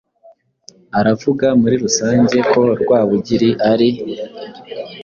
Aravuga muri rusange ko Rwabugili ari "